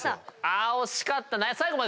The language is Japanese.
あ惜しかった！